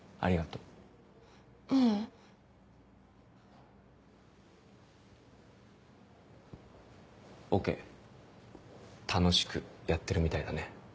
ううん。オケ楽しくやってるみたいだね。